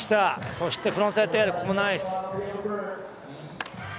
そしてフロントサイドテール、これもナイス。